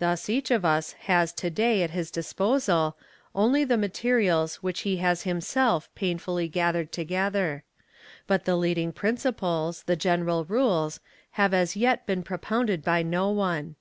Thus each of us has to day at his disposal only the mate rials which he has himself painfully gathered together ; but the leading principles, the general rules, have as yet been propounded by no one.